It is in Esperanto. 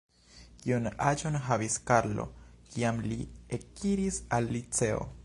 Kiun aĝon havis Karlo, kiam li ekiris al liceo?